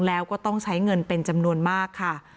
แล้วก็ต้องใช้เงินเป็นจำนวนมากค่ะ